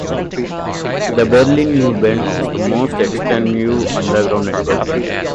The Berlin U-Bahn is the most extensive underground network in Germany.